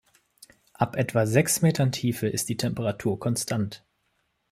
Ab etwa sechs Metern Tiefe ist die Temperatur konstant.